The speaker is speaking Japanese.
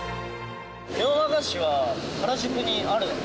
ネオ和菓子は原宿にあるんだ？